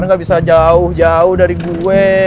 ntar ga bisa jauh jauh dari gue